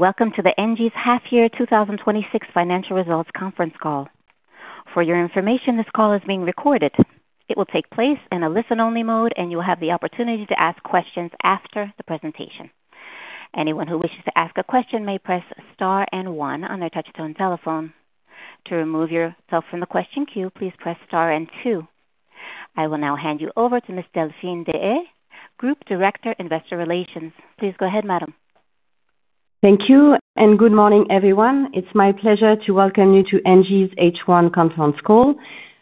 Welcome to the ENGIE's half year 2026 financial results conference call. For your information, this call is being recorded. It will take place in a listen-only mode. You will have the opportunity to ask questions after the presentation. Anyone who wishes to ask a question may press star and one on their touch-tone telephone. To remove yourself from the question queue, please press star and two. I will now hand you over to Ms. Delphine Deshayes, Group Director Investor Relations. Please go ahead, madam. Thank you. Good morning, everyone. It's my pleasure to welcome you to ENGIE's H1 conference call.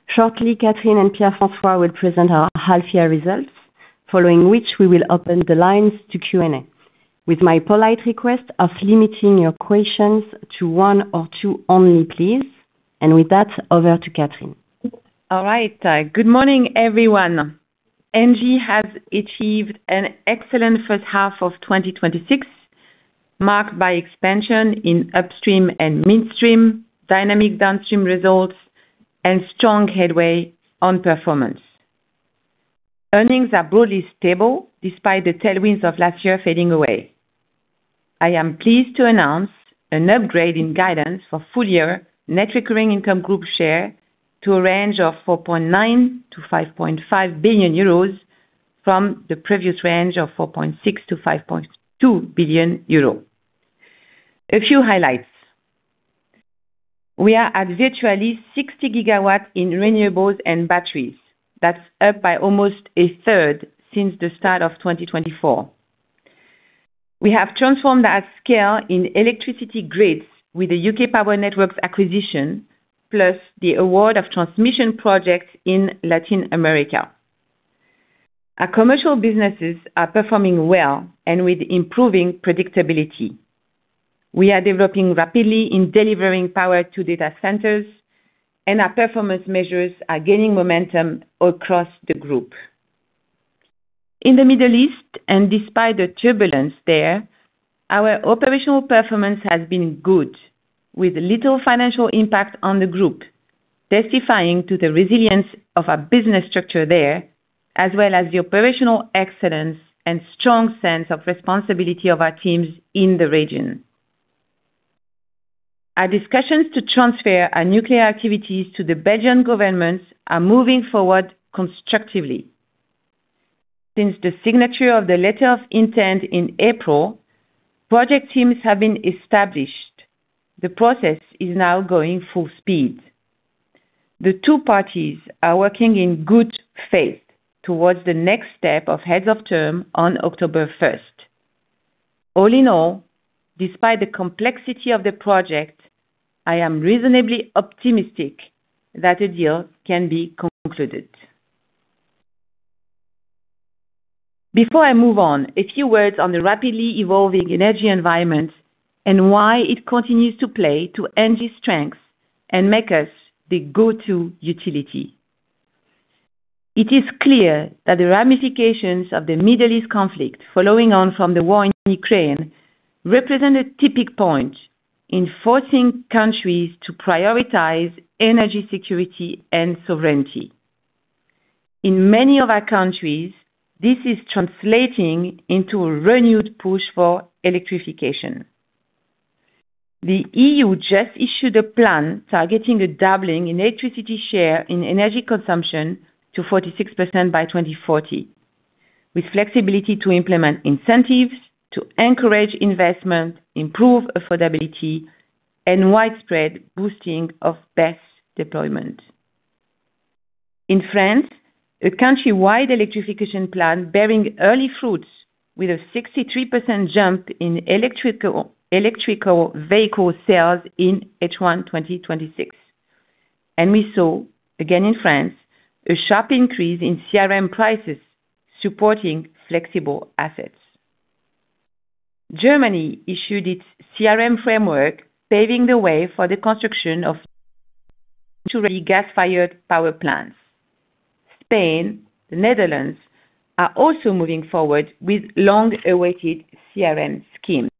Shortly, Catherine and Pierre-François will present our half year results, following which we will open the lines to Q&A. With my polite request of limiting your questions to one or two only, please. With that, over to Catherine. All right. Good morning, everyone. ENGIE has achieved an excellent first half of 2026, marked by expansion in upstream and midstream, dynamic downstream results, strong headway on performance. Earnings are broadly stable despite the tailwinds of last year fading away. I am pleased to announce an upgrade in guidance for full-year net recurring income, group share to a range of 4.9 billion-5.5 billion euros from the previous range of 4.6 billion-5.2 billion euros. A few highlights. We are at virtually 60 GW in renewables and batteries. That's up by almost 1/3 since the start of 2024. We have transformed at scale in electricity grids with the UK Power Networks acquisition, plus the award of transmission projects in Latin America. Our commercial businesses are performing well with improving predictability. We are developing rapidly in delivering power to data centers. Our performance measures are gaining momentum across the group. In the Middle East, despite the turbulence there, our operational performance has been good, with little financial impact on the group, testifying to the resilience of our business structure there, as well as the operational excellence and strong sense of responsibility of our teams in the region. Our discussions to transfer our nuclear activities to the Belgian government are moving forward constructively. Since the signature of the letter of intent in April, project teams have been established. The process is now going full speed. The two parties are working in good faith towards the next step of heads of term on October 1st. All in all, despite the complexity of the project, I am reasonably optimistic that a deal can be concluded. Before I move on, a few words on the rapidly evolving energy environment and why it continues to play to ENGIE's strengths and make us the go-to utility. It is clear that the ramifications of the Middle East conflict following on from the war in Ukraine represent a tipping point in forcing countries to prioritize energy security and sovereignty. In many of our countries, this is translating into a renewed push for electrification. The EU just issued a plan targeting a doubling in electricity share in energy consumption to 46% by 2040, with flexibility to implement incentives to encourage investment, improve affordability, and widespread boosting of BESS deployment. We saw, again, in France, a sharp increase in CRM prices supporting flexible assets. Germany issued its CRM framework, paving the way for the construction of gas-fired power plants. Spain, the Netherlands, are also moving forward with long-awaited CRM schemes.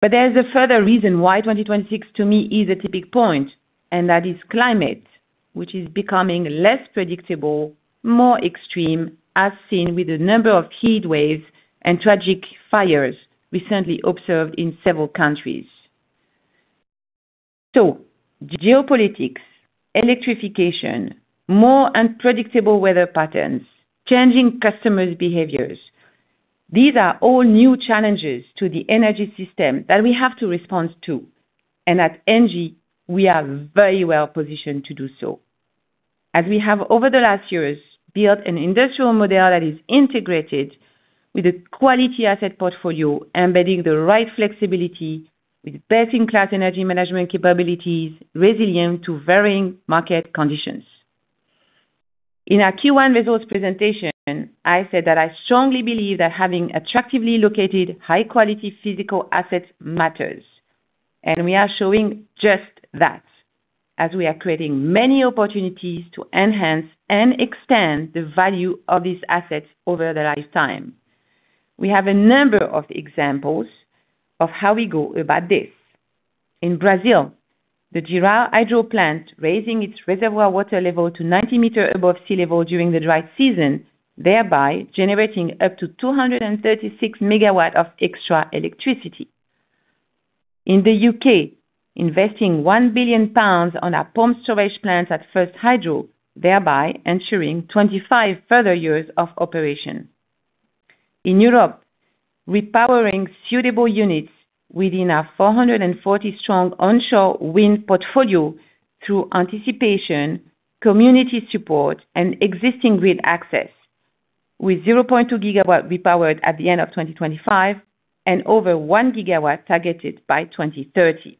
There's a further reason why 2026 to me is a tipping point, and that is climate, which is becoming less predictable, more extreme, as seen with the number of heat waves and tragic fires recently observed in several countries. Geopolitics, electrification, more unpredictable weather patterns, changing customers' behaviors. These are all new challenges to the energy system that we have to respond to. At ENGIE, we are very well positioned to do so. As we have over the last years, built an industrial model that is integrated with a quality asset portfolio, embedding the right flexibility with best-in-class energy management capabilities, resilient to varying market conditions. In our Q1 results presentation, I said that I strongly believe that having attractively located high-quality physical assets matters, and we are showing just that, as we are creating many opportunities to enhance and extend the value of these assets over their lifetime. We have a number of examples of how we go about this. In Brazil, the Jirau Hydro Plant raising its reservoir water level to 90 m above sea level during the dry season, thereby generating up to 236 MW of extra electricity. In the U.K., investing 1 billion pounds on our pump storage plants at First Hydro, thereby ensuring 25 further years of operation. In Europe, repowering suitable units within our 440 strong onshore wind portfolio through anticipation, community support, and existing grid access. With 0.2 GW repowered at the end of 2025, and over 1 GW targeted by 2030.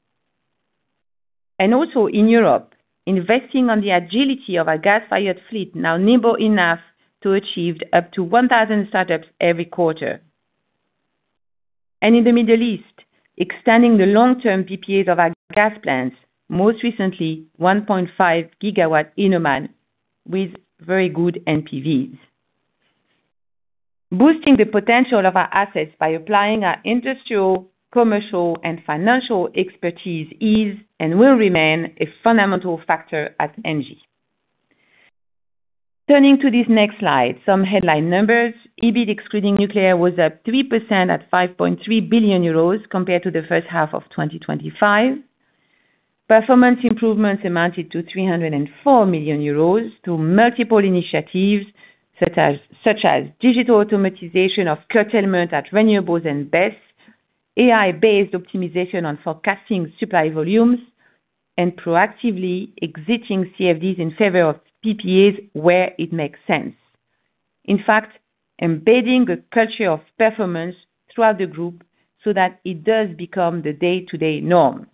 Also in Europe, investing on the agility of our gas-fired fleet, now nimble enough to achieve up to 1,000 startups every quarter. In the Middle East, extending the long-term PPAs of our gas plants, most recently, 1.5 GW in Oman with very good NPVs. Boosting the potential of our assets by applying our industrial, commercial, and financial expertise is and will remain a fundamental factor at ENGIE. Turning to this next slide, some headline numbers. EBIT excluding Nuclear was up 3% at 5.3 billion euros compared to the first half of 2025. Performance improvements amounted to 304 million euros through multiple initiatives such as digital automatization of curtailment at renewables and BESS, AI-based optimization on forecasting supply volumes, and proactively exiting CFDs in several PPAs where it makes sense. In fact, embedding a culture of performance throughout the group so that it does become the day-to-day norm.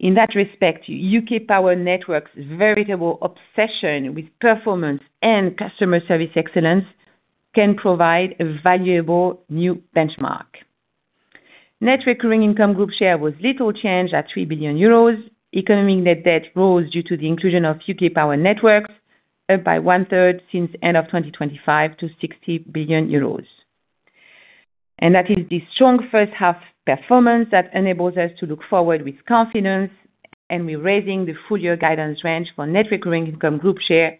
In that respect, UK Power Networks' veritable obsession with performance and customer service excellence can provide a valuable new benchmark. Net recurring income, group share was little changed at 3 billion euros. Economic net debt rose due to the inclusion of UK Power Networks, up by 1/3 since the end of 2025 to 60 billion euros. That is the strong first half performance that enables us to look forward with confidence, we are raising the full-year guidance range for net recurring income, group share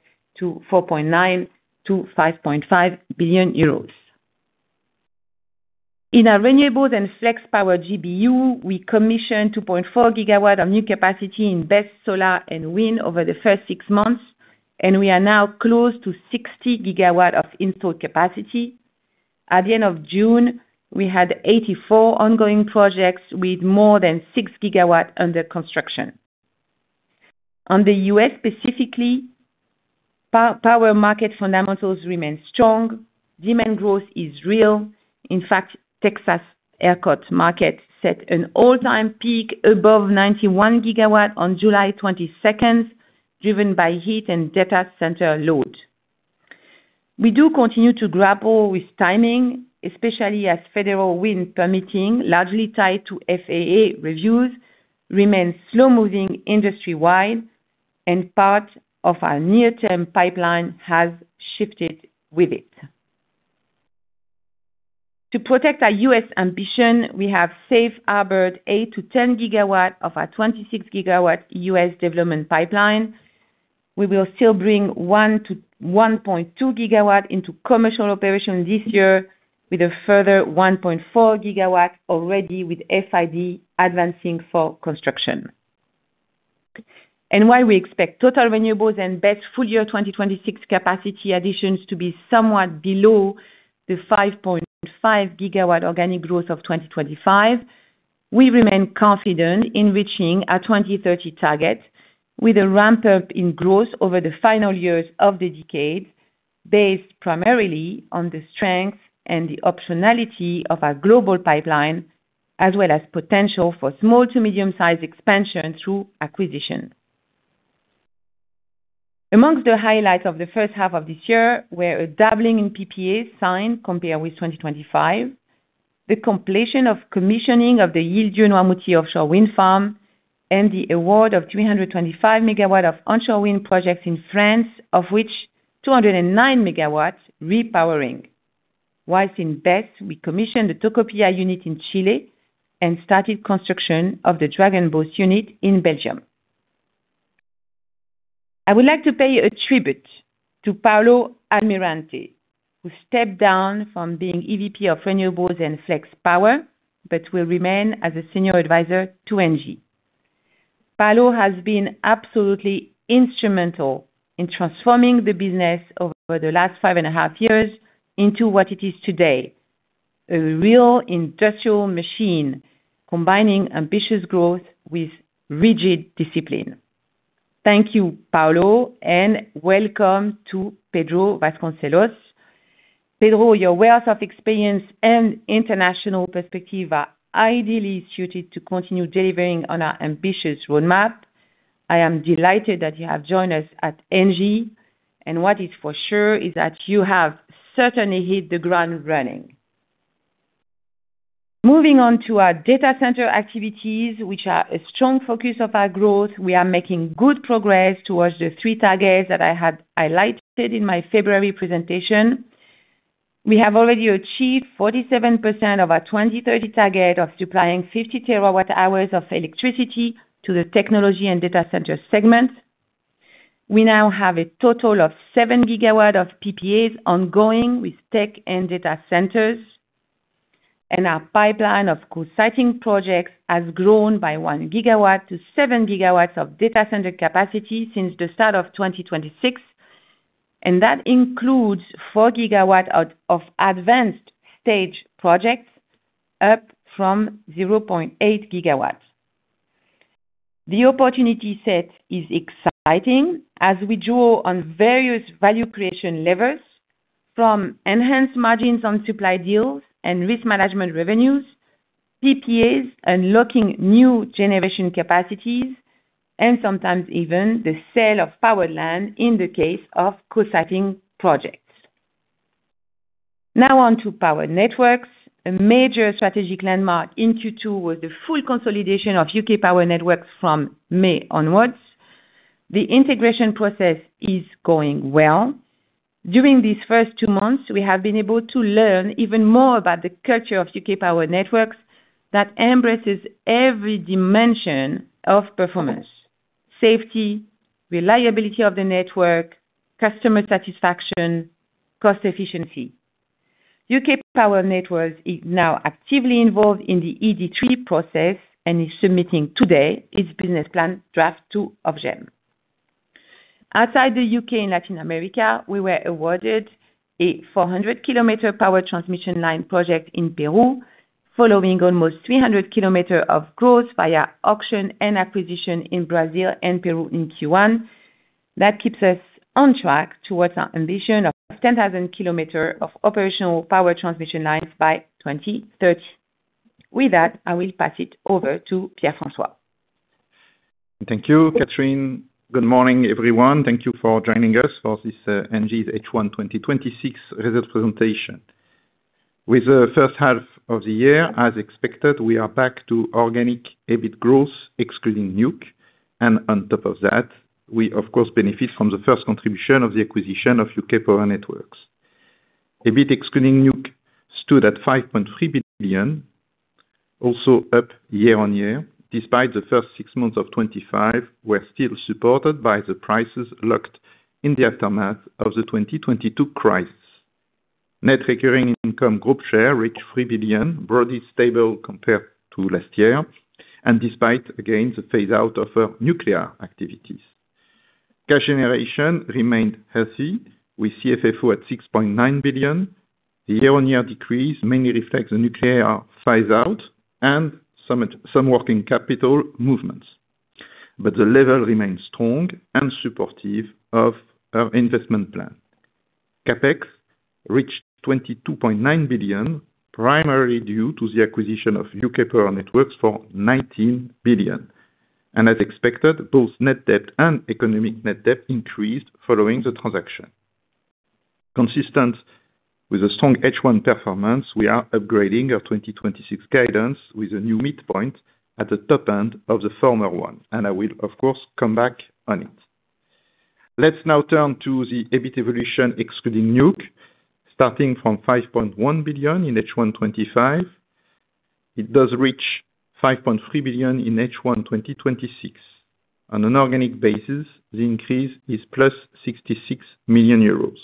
to 4.9 billion-5.5 billion euros. In our Renewable & Flex Power GBU, we commissioned 2.4 GW of new capacity in BESS solar and wind over the first six months, we are now close to 60 GW of installed capacity. At the end of June, we had 84 ongoing projects with more than 6 GW under construction. On the U.S. specifically, power market fundamentals remain strong. Demand growth is real. In fact, Texas ERCOT market set an all-time peak above 91 GW on July 22nd, driven by heat and data center load. We do continue to grapple with timing, especially as federal wind permitting, largely tied to FAA reviews, remains slow-moving industry-wide, part of our near-term pipeline has shifted with it. To protect our U.S. ambition, we have safe harbored 8 GW-10 GW of our 26-GW U.S. development pipeline. We will still bring 1.2 GW into commercial operation this year with a further 1.4 GW already with FID advancing for construction. While we expect total Renewable & BESS full-year 2026 capacity additions to be somewhat below the 5.5 GW organic growth of 2025, we remain confident in reaching our 2030 target with a ramp-up in growth over the final years of the decade, based primarily on the strength and the optionality of our global pipeline, as well as potential for small to medium-sized expansion through acquisition. Amongst the highlights of the first half of this year were a doubling in PPAs signed compared with 2025, the completion of commissioning of the Îles d'Yeu et de Noirmoutier offshore wind farm, the award of 325 MW of onshore wind projects in France, of which 209 MW repowering. Whilst in BESS, we commissioned the Tocopilla unit in Chile and started construction of the Drogenbos unit in Belgium. I would like to pay a tribute to Paulo Almirante, who stepped down from being EVP of Renewable & Flex Power, but will remain as a Senior Advisor to ENGIE. Paulo has been absolutely instrumental in transforming the business over the last five and a half years into what it is today, a real industrial machine, combining ambitious growth with rigid discipline. Thank you, Paulo, welcome to Pedro Vasconcelos. Pedro, your wealth of experience and international perspective are ideally suited to continue delivering on our ambitious roadmap. I am delighted that you have joined us at ENGIE, what is for sure is that you have certainly hit the ground running. Moving on to our data center activities, which are a strong focus of our growth. We are making good progress towards the three targets that I had highlighted in my February presentation. We have already achieved 47% of our 2030 target of supplying 50 TWh of electricity to the technology and data center segment. We now have a total of 7 GW of PPAs ongoing with tech and data centers, and our pipeline of cositing projects has grown by one gigawatt to 7 GW of data center capacity since the start of 2026, and that includes 4 GW of advanced stage projects, up from 0.8 GW. The opportunity set is exciting as we draw on various value creation levers, from enhanced margins on supply deals and risk management revenues, PPAs unlocking new generation capacities, and sometimes even the sale of power land in the case of cositing projects. Now on to Power Networks. A major strategic landmark in Q2 was the full consolidation of UK Power Networks from May onwards. The integration process is going well. During these first two months, we have been able to learn even more about the culture of UK Power Networks that embraces every dimension of performance, safety, reliability of the network, customer satisfaction, cost efficiency. UK Power Networks is now actively involved in the ED3 process and is submitting today its business plan draft two of GEM. Outside the U.K. and Latin America, we were awarded a 400-km power transmission line project in Peru, following almost 300 km of growth via auction and acquisition in Brazil and Peru in Q1. That keeps us on track towards our ambition of 10,000 km of operational power transmission lines by 2030. With that, I will pass it over to Pierre-François. Thank you, Catherine. Good morning, everyone. Thank you for joining us for this ENGIE H1 2026 result presentation. With the first half of the year, as expected, we are back to organic EBIT growth excluding Nuclear. On top of that, we of course, benefit from the first contribution of the acquisition of UK Power Networks. EBIT excluding Nuclear stood at 5.3 billion, also up year-on-year. Despite the first six months of 2025, we're still supported by the prices locked in the aftermath of the 2022 crisis. Net recurring income, group share reached 3 billion, broadly stable compared to last year, and despite, again, the phase out of our nuclear activities. Cash generation remained healthy with CFFO at 6.9 billion. The year-on-year decrease mainly reflects the nuclear phase out and some working capital movements. The level remains strong and supportive of our investment plan. CapEx reached 22.9 billion, primarily due to the acquisition of UK Power Networks for 19 billion. As expected, both net debt and economic net debt increased following the transaction. Consistent with a strong H1 performance, we are upgrading our 2026 guidance with a new midpoint at the top end of the former one, and I will, of course, come back on it. Let's now turn to the EBIT evolution excluding Nuclear. Starting from 5.1 billion in H1 2025, it does reach 5.3 billion in H1 2026. On an organic basis, the increase is +66 million euros.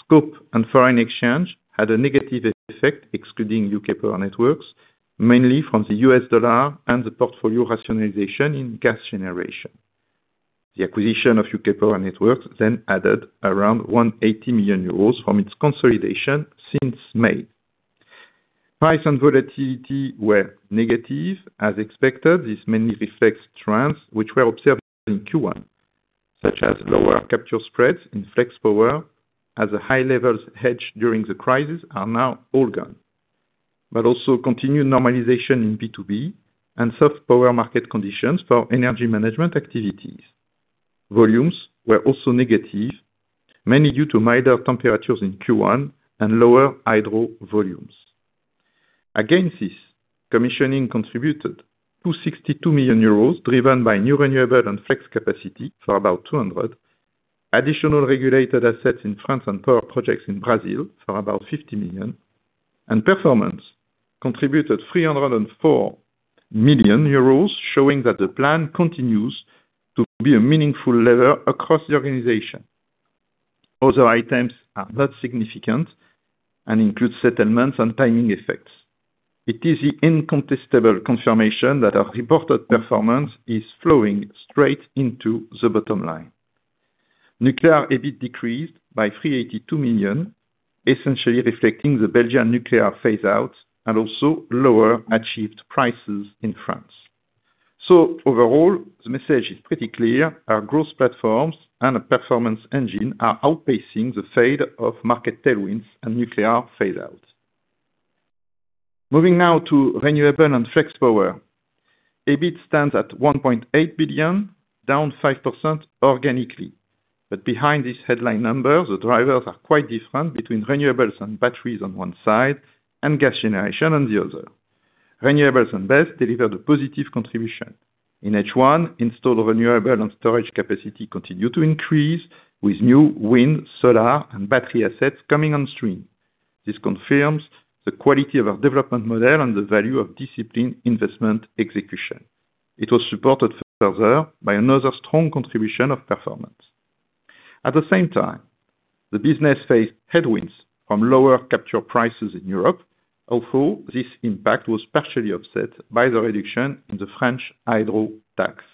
Scope and foreign exchange had a negative effect, excluding UK Power Networks, mainly from the U.S. dollar and the portfolio rationalization in gas generation. The acquisition of UK Power Networks then added around 180 million euros from its consolidation since May. Price and volatility were negative. As expected, this mainly reflects trends which were observed in Q1, such as lower capture spreads in Flex Power, as the high levels hedged during the crisis are now all gone. Also continued normalization in B2B and soft power market conditions for energy management activities. Volumes were also negative, mainly due to milder temperatures in Q1 and lower hydro volumes. Against this, commissioning contributed to 62 million euros, driven by new Renewable & Flex capacity for about 200. Additional regulated assets in France and power projects in Brazil for about 50 million. Performance contributed 304 million euros, showing that the plan continues to be a meaningful lever across the organization. Other items are not significant and include settlements and timing effects. It is the incontestable confirmation that our reported performance is flowing straight into the bottom line. Nuclear EBIT decreased by 382 million, essentially reflecting the Belgian nuclear phase-out and also lower achieved prices in France. Overall, the message is pretty clear. Our growth platforms and our performance engine are outpacing the fade of market tailwinds and nuclear phase-out. Moving now to Renewable & Flex Power. EBIT stands at 1.8 billion, down 5% organically. Behind this headline number, the drivers are quite different between renewables and batteries on one side and gas generation on the other. Renewables and BESS delivered a positive contribution. In H1, installed renewable and storage capacity continued to increase with new wind, solar, and battery assets coming on stream. This confirms the quality of our development model and the value of discipline investment execution. It was supported further by another strong contribution of performance. At the same time, the business faced headwinds from lower capture prices in Europe, although this impact was partially offset by the reduction in the French hydro tax.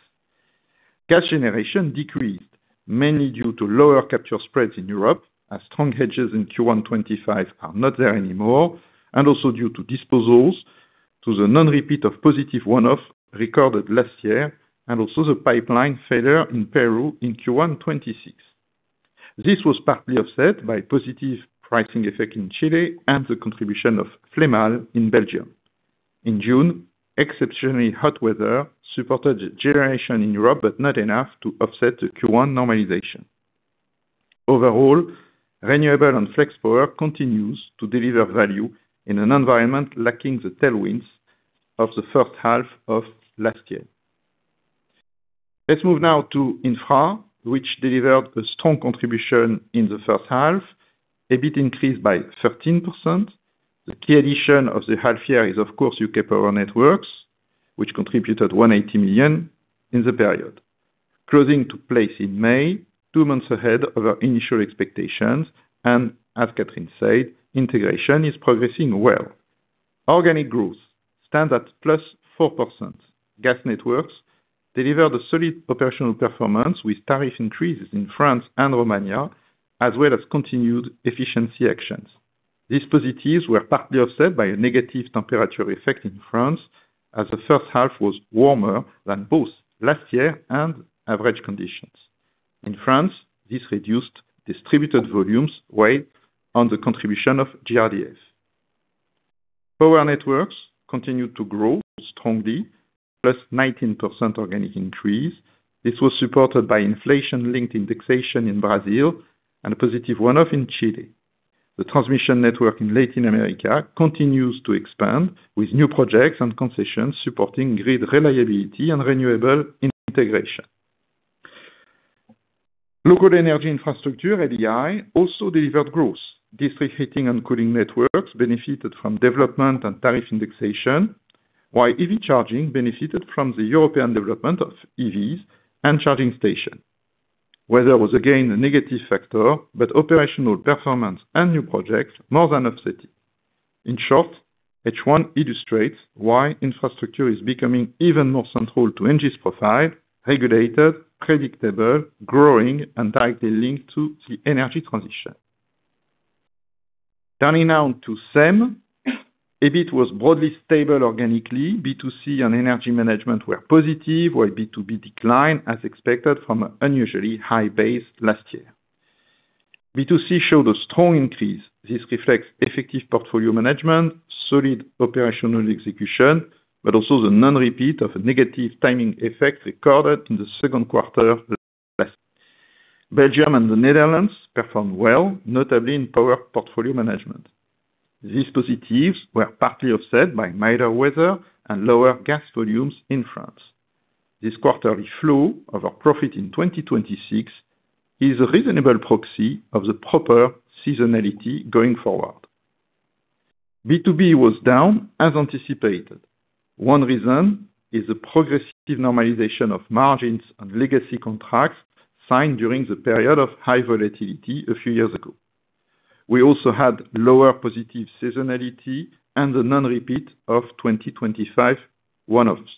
Cash generation decreased mainly due to lower capture spreads in Europe as strong hedges in Q1 2025 are not there anymore, and also due to disposals to the non-repeat of positive one-off recorded last year, and also the pipeline failure in Peru in Q1 2026. This was partly offset by positive pricing effect in Chile and the contribution of Flémalle in Belgium. In June, exceptionally hot weather supported the generation in Europe, but not enough to offset the Q1 normalization. Overall, Renewable & Flex Power continues to deliver value in an environment lacking the tailwinds of the first half of last year. Let's move now to Infra, which delivered a strong contribution in the first half. EBIT increased by 13%. The key addition of the half year is, of course, UK Power Networks, which contributed 180 million in the period. Closing took place in May, two months ahead of our initial expectations, and, as Catherine said, integration is progressing well. Organic growth stand at +4%. Gas networks delivered a solid operational performance with tariff increases in France and Romania, as well as continued efficiency actions. These positives were partly offset by a negative temperature effect in France, as the first half was warmer than both last year and average conditions. In France, this reduced distributed volumes weighed on the contribution of GRDF. Power networks continued to grow strongly, +19% organic increase. This was supported by inflation-linked indexation in Brazil and a positive one-off in Chile. The transmission network in Latin America continues to expand with new projects and concessions supporting grid reliability and renewable integration. Local energy infrastructure, LEI, also delivered growth. District heating and cooling networks benefited from development and tariff indexation, while EV charging benefited from the European development of EVs and charging station. Weather was again a negative factor, but operational performance and new projects more than offset it. In short, H1 illustrates why infrastructure is becoming even more central to ENGIE's profile, regulated, predictable, growing, and directly linked to the energy transition. Turning now to S&EM. EBIT was broadly stable organically. B2C and energy management were positive while B2B declined as expected from an unusually high base last year. B2C showed a strong increase. This reflects effective portfolio management, solid operational execution, but also the non-repeat of a negative timing effect recorded in the second quarter last year. Belgium and the Netherlands performed well, notably in power portfolio management. These positives were partly offset by milder weather and lower gas volumes in France. This quarterly flow of our profit in 2026 is a reasonable proxy of the proper seasonality going forward. B2B was down as anticipated. One reason is the progressive normalization of margins and legacy contracts signed during the period of high volatility a few years ago. We also had lower positive seasonality and the non-repeat of 2025 one-offs.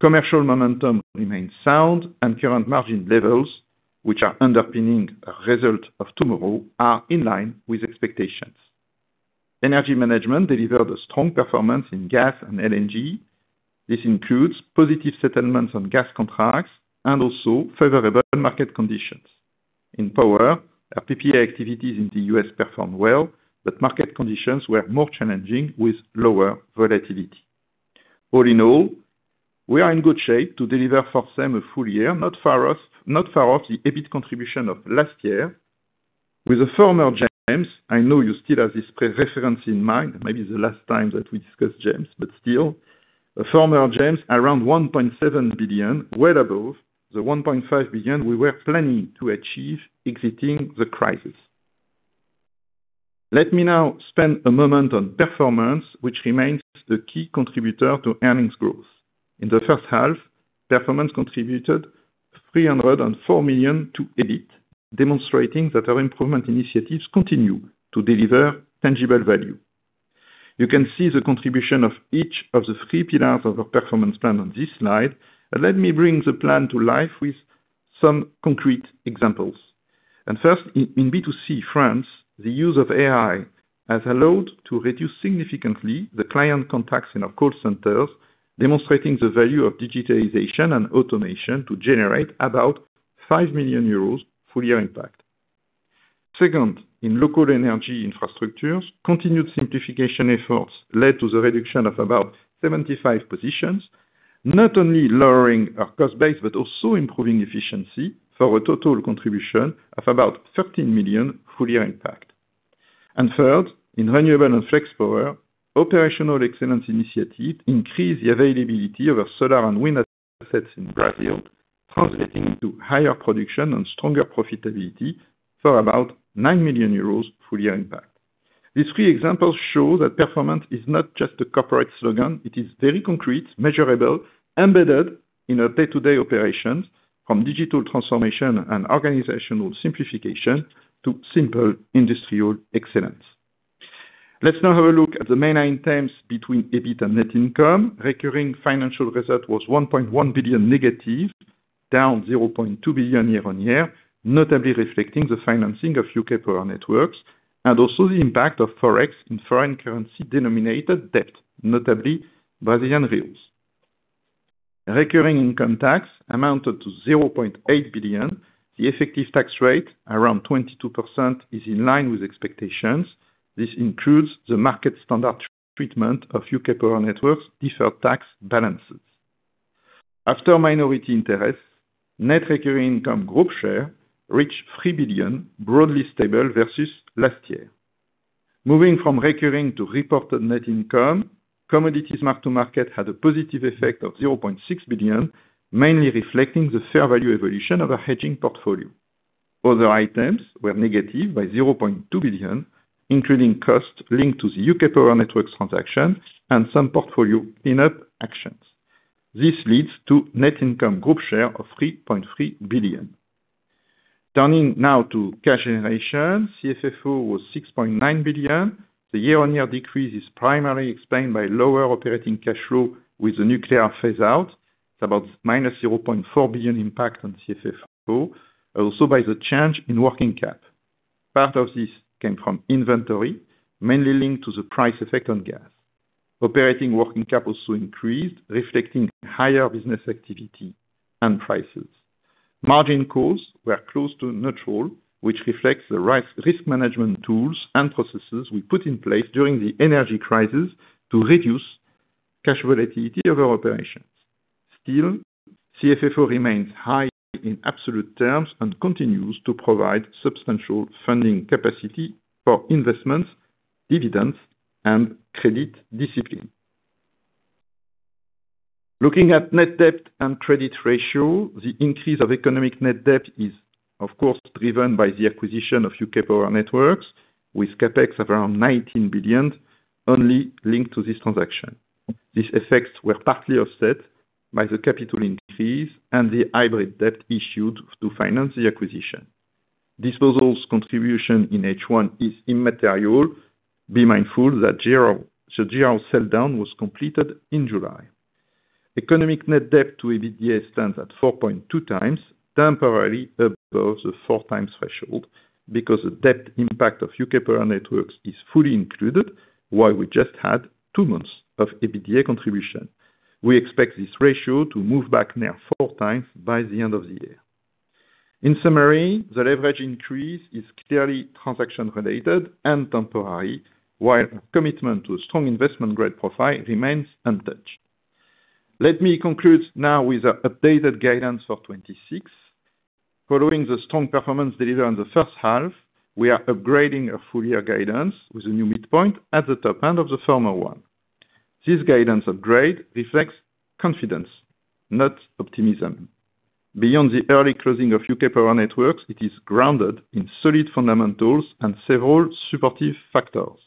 Commercial momentum remains sound and current margin levels, which are underpinning a result of tomorrow, are in line with expectations. Energy management delivered a strong performance in gas and LNG. This includes positive settlements on gas contracts and also favorable market conditions. In power, our PPA activities in the U.S. performed well, but market conditions were more challenging with lower volatility. All in all, we are in good shape to deliver for S&EM a full year, not far off the EBIT contribution of last year with a firmer GEMS. I know you still have this reference in mind. Maybe the last time that we discussed GEMS, but still. A firmer GEMS, around 1.7 billion, well above the 1.5 billion we were planning to achieve exiting the crisis. Let me now spend a moment on performance, which remains the key contributor to earnings growth. In the first half, performance contributed 304 million to EBIT, demonstrating that our improvement initiatives continue to deliver tangible value. You can see the contribution of each of the three pillars of our performance plan on this slide. Let me bring the plan to life with some concrete examples. First, in B2C France, the use of AI has allowed to reduce significantly the client contacts in our call centers, demonstrating the value of digitalization and automation to generate about 5 million euros full year impact. Second, in local energy infrastructures, continued simplification efforts led to the reduction of about 75 positions. Not only lowering our cost base, but also improving efficiency for a total contribution of about 13 million full year impact. Third, in Renewable & Flex power, operational excellence initiative increase the availability of our solar and wind assets in Brazil, translating into higher production and stronger profitability for about 9 million euros full year impact. These three examples show that performance is not just a corporate slogan, it is very concrete, measurable, embedded in our day-to-day operations, from digital transformation and organizational simplification, to simple industrial excellence. Let's now have a look at the main items between EBIT and net income. Recurring financial result was -1.1 billion, down 0.2 billion year-on-year, notably reflecting the financing of UK Power Networks, and also the impact of Forex in foreign currency denominated debt, notably Brazilian reals. Recurring income tax amounted to 0.8 billion. The effective tax rate, around 22%, is in line with expectations. This includes the market standard treatment of UK Power Networks deferred tax balances. After minority interests, net recurring income, group share reached 3 billion, broadly stable versus last year. Moving from recurring to reported net income, commodities mark-to-market had a positive effect of 0.6 billion, mainly reflecting the fair value evolution of a hedging portfolio. Other items were negative by 0.2 billion, including costs linked to the UK Power Networks transaction and some portfolio clean up actions. This leads to net income, group share of 3.3 billion. Turning now to cash generation, CFFO was 6.9 billion. The year-on-year decrease is primarily explained by lower operating cash flow with the Nuclear phase out. It's about -0.4 billion impact on CFFO, and also by the change in working cap. Part of this came from inventory, mainly linked to the price effect on gas. Operating working cap also increased, reflecting higher business activity and prices. Margin calls were close to neutral, which reflects the risk management tools and processes we put in place during the energy crisis to reduce cash volatility of our operations. Still, CFFO remains high in absolute terms and continues to provide substantial funding capacity for investments, dividends, and credit discipline. Looking at net debt and credit ratio, the increase of economic net debt is of course driven by the acquisition of UK Power Networks with CapEx of around 19 billion only linked to this transaction. These effects were partly offset by the capital increase and the hybrid debt issued to finance the acquisition. Disposals contribution in H1 is immaterial. Be mindful that the Jirau sell-down was completed in July. Economic net debt-to-EBITDA stands at 4.2x, temporarily above the 4x threshold because the debt impact of UK Power Networks is fully included, while we just had two months of EBITDA contribution. We expect this ratio to move back near 4x by the end of the year. In summary, the leverage increase is clearly transaction related and temporary, while our commitment to a strong investment grade profile remains untouched. Let me conclude now with our updated guidance for 2026. Following the strong performance delivered on the first half, we are upgrading our full year guidance with a new midpoint at the top end of the former one. This guidance upgrade reflects confidence, not optimism. Beyond the early closing of UK Power Networks, it is grounded in solid fundamentals and several supportive factors.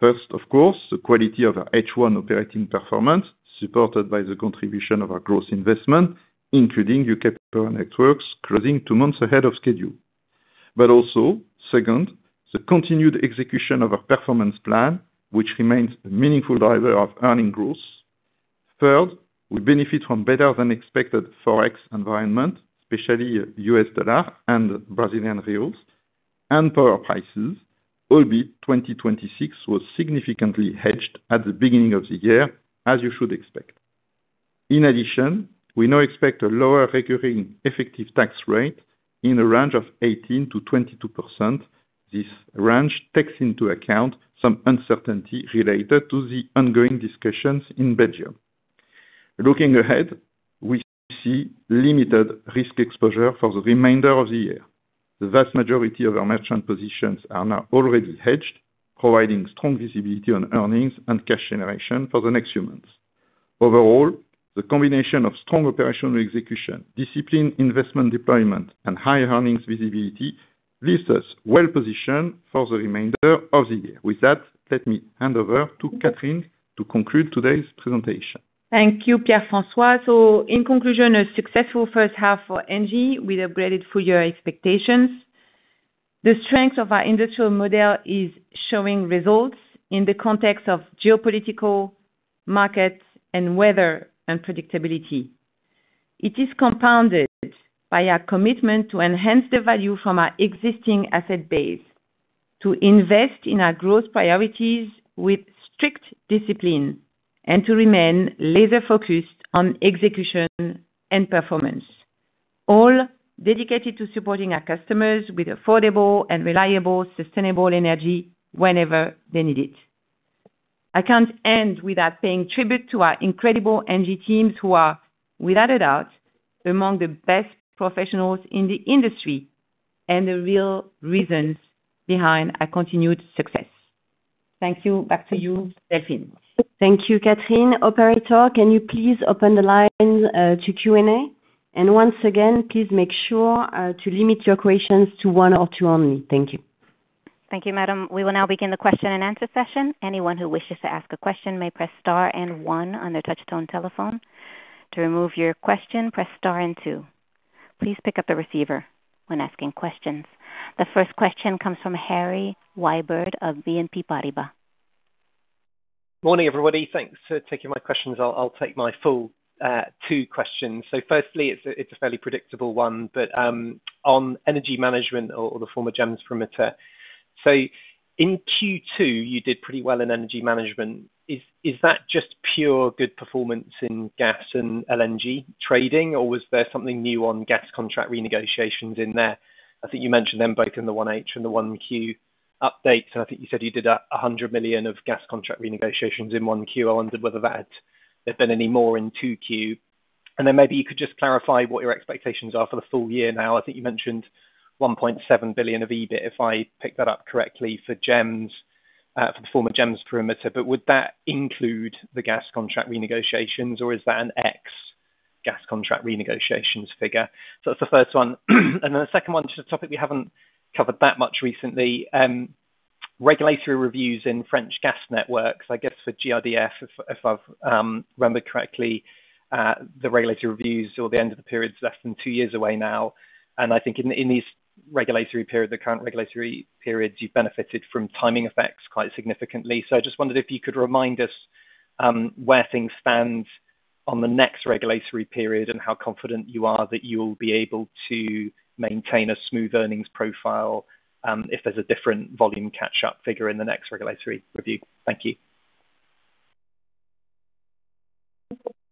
First, of course, the quality of our H1 operating performance, supported by the contribution of our growth investment, including UK Power Networks closing two months ahead of schedule. Second, the continued execution of our performance plan, which remains a meaningful driver of earning growth. Third, we benefit from better than expected Forex environment, especially US dollar and Brazilian reals and power prices, albeit 2026 was significantly hedged at the beginning of the year, as you should expect. In addition, we now expect a lower recurring effective tax rate in a range of 18%-22%. This range takes into account some uncertainty related to the ongoing discussions in Belgium. Looking ahead, we see limited risk exposure for the remainder of the year. The vast majority of our merchant positions are now already hedged, providing strong visibility on earnings and cash generation for the next few months. Overall, the combination of strong operational execution, disciplined investment deployment, and higher earnings visibility leaves us well positioned for the remainder of the year. With that, let me hand over to Catherine to conclude today's presentation. Thank you, Pierre-François. In conclusion, a successful first half for ENGIE. We upgraded full year expectations. The strength of our industrial model is showing results in the context of geopolitical markets and weather unpredictability. It is compounded by our commitment to enhance the value from our existing asset base, to invest in our growth priorities with strict discipline, and to remain laser focused on execution and performance. All dedicated to supporting our customers with affordable and reliable, sustainable energy whenever they need it. I can't end without paying tribute to our incredible ENGIE teams who are, without a doubt, among the best professionals in the industry and the real reasons behind our continued success. Thank you. Back to you, Delphine. Thank you, Catherine. Operator, can you please open the line to Q&A? Once again, please make sure to limit your questions to one or two only. Thank you. Thank you, madam. We will now begin the question and answer session. Anyone who wishes to ask a question may press star and one on their touch-tone telephone. To remove your question, press star and two. Please pick up the receiver when asking questions. The first question comes from Harry Wyburd of BNP Paribas. Morning, everybody. Thanks for taking my questions. I will take my full two questions. Firstly, it's a fairly predictable one, but on energy management or the former GEMS perimeter. In Q2, you did pretty well in energy management. Is that just pure good performance in gas and LNG trading, or was there something new on gas contract renegotiations in there? I think you mentioned them both in the 1H and the 1Q updates, and I think you said you did 100 million of gas contract renegotiations in 1Q. I wondered whether there had been any more in 2Q. Maybe you could just clarify what your expectations are for the full year now. I think you mentioned 1.7 billion of EBIT, if I picked that up correctly, for the former GEMS perimeter. Would that include the gas contract renegotiations, or is that an X gas contract renegotiations figure? That's the first one. The second one, just a topic we haven't covered that much recently, regulatory reviews in French gas networks. I guess for GRDF, if I've remembered correctly, the regulatory reviews or the end of the period's less than two years away now. I think in these regulatory periods, the current regulatory periods, you've benefited from timing effects quite significantly. I just wondered if you could remind us where things stand on the next regulatory period and how confident you are that you will be able to maintain a smooth earnings profile if there's a different volume catch-up figure in the next regulatory review. Thank you.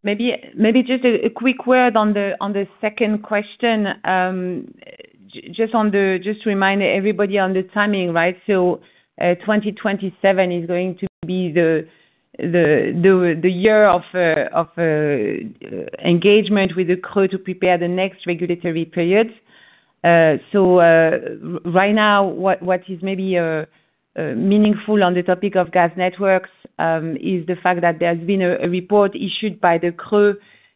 Maybe just a quick word on the second question. Just to remind everybody on the timing. 2027 is going to be the year of engagement with the CRE to prepare the next regulatory period. Right now, what is maybe meaningful on the topic of gas networks, is the fact that there's been a report issued by the CRE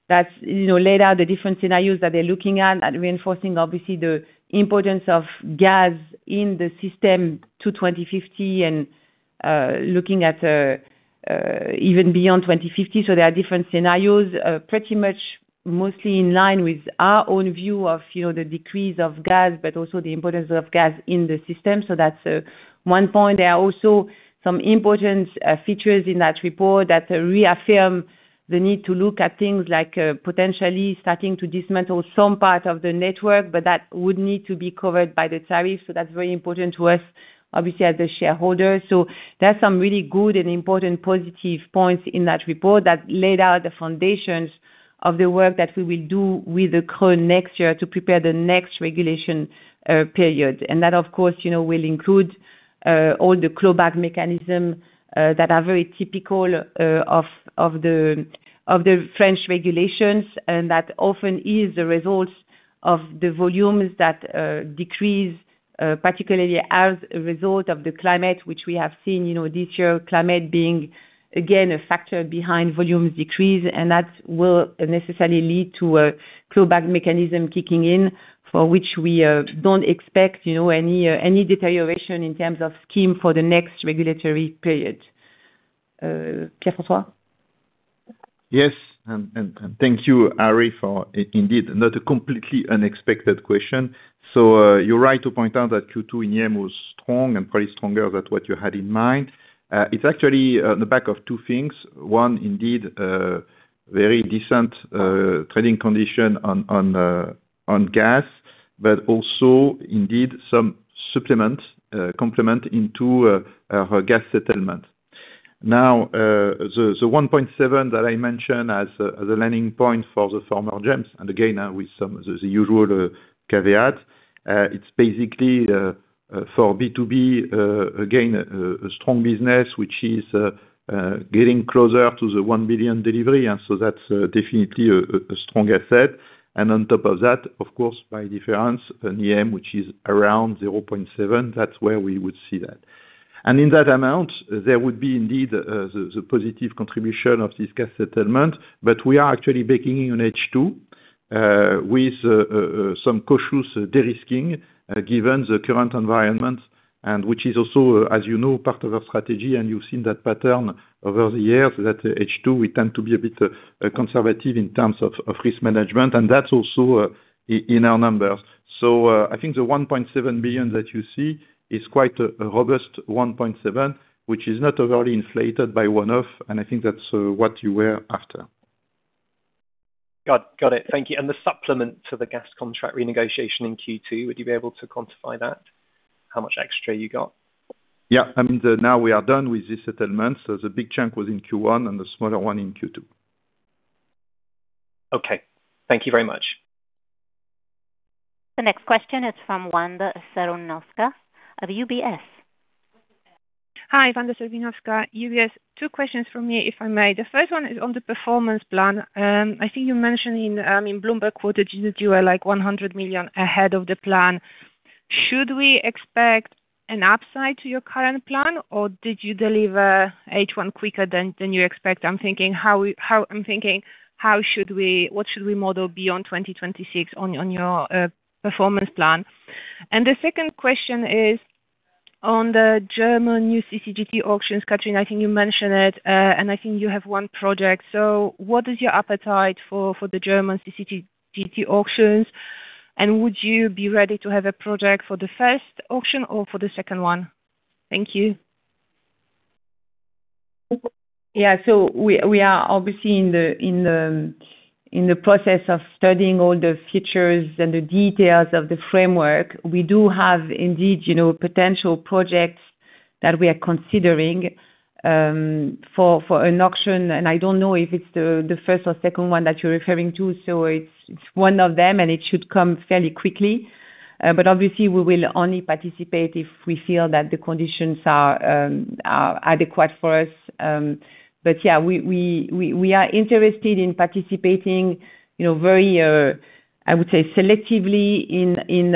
that laid out the different scenarios that they're looking at, and reinforcing, obviously, the importance of gas in the system to 2050 and looking at even beyond 2050. There are different scenarios, pretty much mostly in line with our own view of the decrease of gas, but also the importance of gas in the system. That's one point. There are also some important features in that report that reaffirm the need to look at things like potentially starting to dismantle some part of the network, but that would need to be covered by the tariff, so that's very important to us, obviously, as the shareholder. There's some really good and important positive points in that report that laid out the foundations of the work that we will do with the CRE next year to prepare the next regulation period. That, of course, will include all the clawback mechanism that are very typical of the French regulations, and that often is the result of the volumes that decrease, particularly as a result of the climate, which we have seen this year, climate being, again, a factor behind volumes decrease, and that will necessarily lead to a clawback mechanism kicking in for which we don't expect any deterioration in terms of scheme for the next regulatory period. Pierre-François? Yes, thank you, Harry, for indeed, not a completely unexpected question. You're right to point out that Q2 in EM was strong and probably stronger than what you had in mind. It's actually on the back of two things. One, indeed, very decent trading condition on gas, but also indeed some supplement, complement into her gas settlement. The 1.7 billion that I mentioned as the landing point for the former GEMS, and again, with some of the usual caveats, it's basically for B2B, again, a strong business which is getting closer to the 1 billion delivery, and that's definitely a strong asset. On top of that, of course, by difference, an EM which is around 0.7 billion, that's where we would see that. In that amount, there would be indeed the positive contribution of this gas settlement, but we are actually backing in H2 with some cautious de-risking given the current environment, and which is also, as you know, part of our strategy, and you've seen that pattern over the years, that H2, we tend to be a bit conservative in terms of risk management, and that's also in our numbers. I think the 1.7 billion that you see is quite a robust 1.7 billion, which is not overly inflated by one-off, and I think that's what you were after. Got it. Thank you. The supplement to the gas contract renegotiation in Q2, would you be able to quantify that? How much extra you got? Yeah. Now we are done with this settlement. The big chunk was in Q1 and the smaller one in Q2. Okay. Thank you very much. The next question is from Wanda Serwinowska of UBS. Hi, Wanda Serwinowska, UBS. Two questions from me, if I may. The first one is on the performance plan. I think you mentioned in Bloomberg quoted you were like 100 million ahead of the plan. Should we expect an upside to your current plan, or did you deliver H1 quicker than you expect? I'm thinking, what should we model beyond 2026 on your performance plan? The second question is on the German new CCGT auctions. Catherine, I think you mentioned it, and I think you have one project. What is your appetite for the German CCGT auctions, and would you be ready to have a project for the first auction or for the second one? Thank you. Yeah. We are obviously in the process of studying all the features and the details of the framework. We do have indeed potential projects that we are considering for an auction, I don't know if it's the first or second one that you're referring to. It's one of them, and it should come fairly quickly. Obviously, we will only participate if we feel that the conditions are adequate for us. Yeah, we are interested in participating, I would say selectively in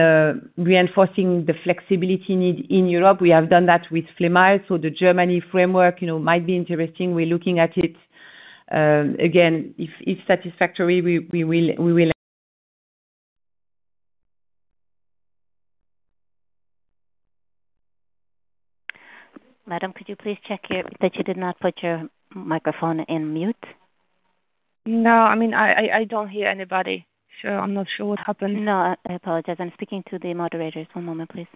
reinforcing the flexibility need in Europe. We have done that with Flémalle, the Germany framework might be interesting. We're looking at it. Again, if it's satisfactory, we will- Madam, could you please check that you did not put your microphone in mute? No, I don't hear anybody. I'm not sure what happened. No, I apologize. I'm speaking to the moderators. One moment, please.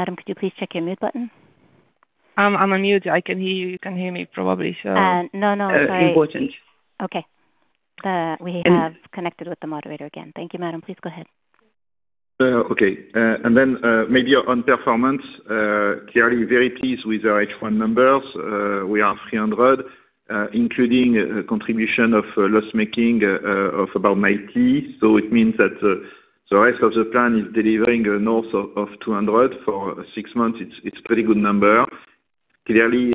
Madam, could you please check your mute button? I'm unmute. I can hear you. You can hear me probably. No, no. Sorry. Important. Okay. We have connected with the moderator again. Thank you, madam. Please go ahead. Okay. Maybe on performance, clearly very pleased with our H1 numbers. We are 300 million, including contribution of loss making of about 90 million. It means that the rest of the plan is delivering north of 200 million. For six months, it's pretty good number. Clearly,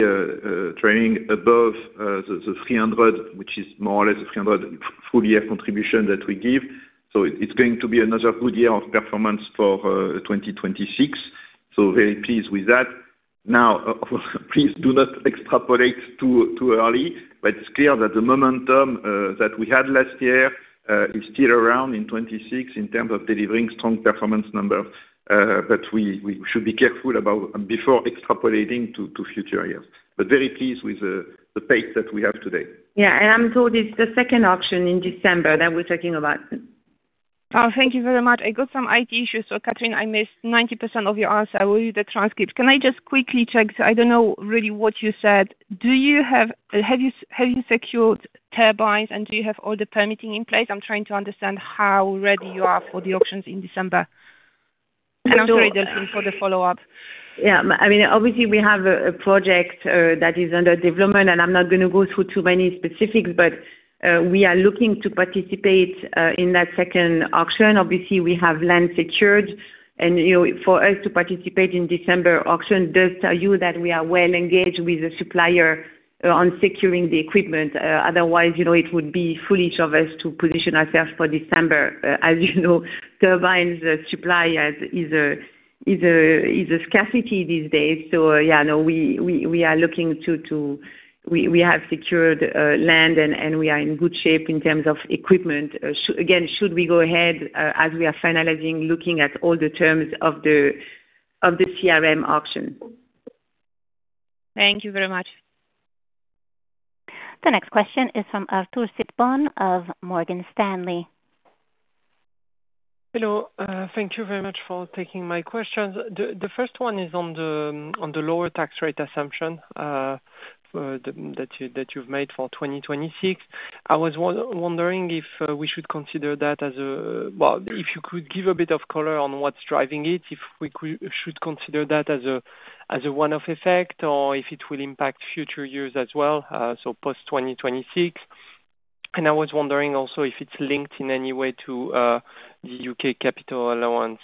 trading above 300 million, which is more or less the 300 million full year contribution that we give. It's going to be another good year of performance for 2026. Very pleased with that. Now, please do not extrapolate too early, it's clear that the momentum that we had last year is still around in 2026 in terms of delivering strong performance numbers. We should be careful before extrapolating to future years. Very pleased with the pace that we have today. I'm told it's the second auction in December that we're talking about. Thank you very much. I got some IT issues. Catherine, I missed 90% of your answer. I will read the transcript. Can I just quickly check? I don't know really what you said. Have you secured turbines, and do you have all the permitting in place? I'm trying to understand how ready you are for the auctions in December. Also, the auctions for the follow-up. Yeah. Obviously, we have a project that is under development, I'm not going to go through too many specifics, but we are looking to participate in that second auction. Obviously, we have land secured, for us to participate in December auction does tell you that we are well engaged with the supplier on securing the equipment. Otherwise, it would be foolish of us to position ourselves for December. As you know, turbines supply is a scarcity these days. Yeah, no, we have secured land, we are in good shape in terms of equipment. Again, should we go ahead as we are finalizing looking at all the terms of the CRM auction. Thank you very much. The next question is from Arthur Sitbon of Morgan Stanley. Hello. Thank you very much for taking my questions. The first one is on the lower tax rate assumption that you've made for 2026. I was wondering if we should consider that as a well, if you could give a bit of color on what's driving it, if we should consider that as a one-off effect or if it will impact future years as well, so post-2026. I was wondering also if it's linked in any way to the U.K. Capital Allowance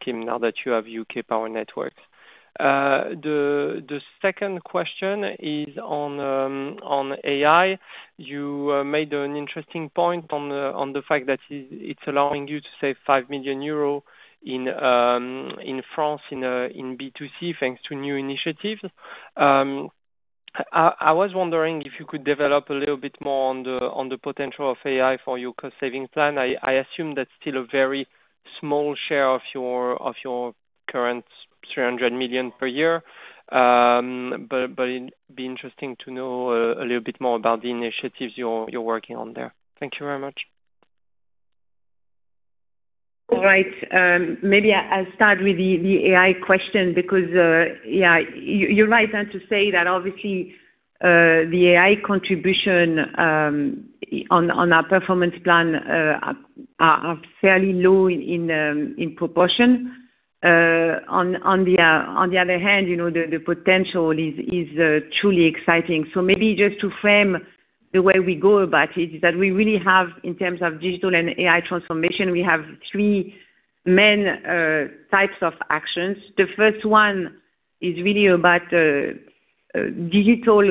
scheme now that you have UK Power Networks. The second question is on AI. You made an interesting point on the fact that it's allowing you to save 5 million euro in France, in B2C, thanks to new initiatives. I was wondering if you could develop a little bit more on the potential of AI for your cost-saving plan. I assume that's still a very small share of your current 300 million per year. It'd be interesting to know a little bit more about the initiatives you're working on there. Thank you very much. All right. Maybe I'll start with the AI question because you're right to say that obviously the AI contribution on our performance plan are fairly low in proportion. On the other hand, the potential is truly exciting. Maybe just to frame the way we go about it is that we really have, in terms of digital and AI transformation, we have three main types of actions. The first one is really about digital